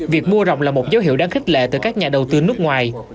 việc mua rộng là một dấu hiệu đáng khích lệ từ các nhà đầu tư nước ngoài